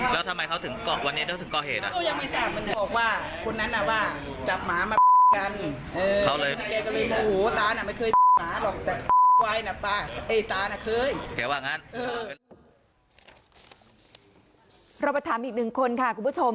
เราไปถามอีกหนึ่งคนค่ะคุณผู้ชม